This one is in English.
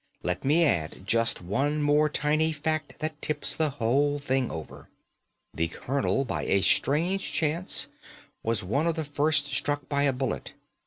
Let me add just one more tiny fact that tips the whole thing over. The colonel, by a strange chance, was one of the first struck by a bullet.